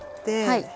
はい。